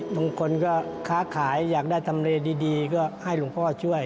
บางคนก็ค้าขายอยากได้ทำเลดีก็ให้หลวงพ่อช่วย